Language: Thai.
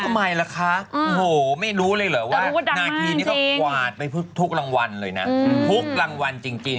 ทำไมล่ะคะโอ้โหไม่รู้เลยเหรอว่านาทีนี้ก็กวาดไปทุกรางวัลเลยนะทุกรางวัลจริง